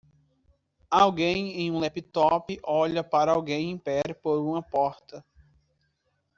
Alguém em um laptop olha para alguém em pé por uma porta